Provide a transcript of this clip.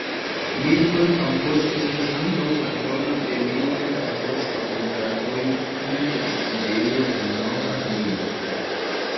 Milton Campos estas ankaŭ patrono de "Milton Campos Fakultatoj", kun ĉefsidejo en Nova Lima.